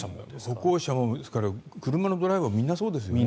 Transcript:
歩行者も車のドライバーもみんなそうですよね。